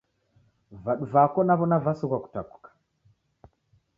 Vadu vako naw'ona vasighwa kutakuka